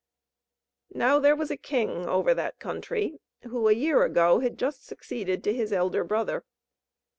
Now there was a king over that country, who a year ago had just succeeded to his elder brother.